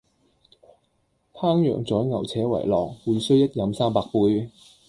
烹羊宰牛且為樂，會須一飲三百杯